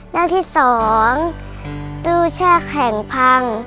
เรื่องที่๒ตู้แช่แข็งพัง